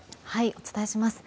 お伝えします。